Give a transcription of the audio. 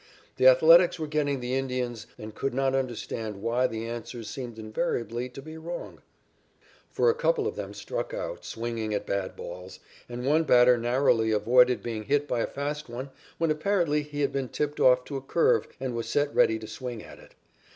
The Athletics were getting the Indian's and could not understand why the answers seemed invariably to be wrong, for a couple of them struck out swinging at bad balls, and one batter narrowly avoided being hit by a fast one when apparently he had been tipped off to a curve and was set ready to swing at it.